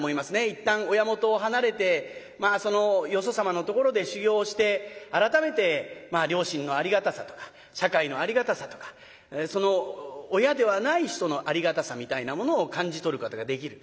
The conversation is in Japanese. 一旦親元を離れてまあそのよそ様のところで修業をして改めて両親のありがたさとか社会のありがたさとかその親ではない人のありがたさみたいなものを感じ取ることができる。